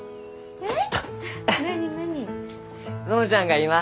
えっ！